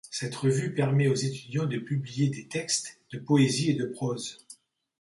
Cette revue permet aux étudiants de publier des textes de poésie et de prose.